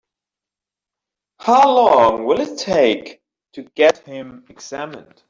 How long will it take to get him examined?